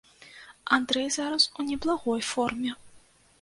Андрэй зараз у неблагой форме.